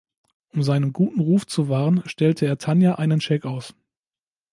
Um seinen guten Ruf zu wahren, stellt er Tanya einen Scheck aus.